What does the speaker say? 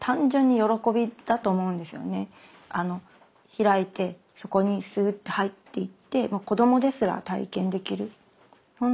開いてそこにスーッと入っていってもう子どもですら体験できる。